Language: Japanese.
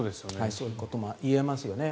そういうことも言えますよね。